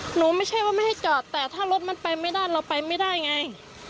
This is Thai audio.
ไม่ใช่ว่าไม่ให้จอดแต่ถ้ารถมันไปไม่ได้เราไปไม่ได้ไง